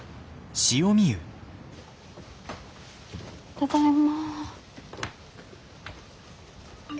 ただいま。